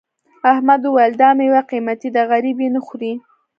احمد وویل دا میوه قيمتي ده غريب یې نه خوري.